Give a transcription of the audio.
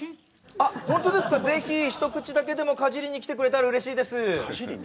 あっホントですかぜひ一口だけでもかじりに来てくれたら嬉しいですかじりに？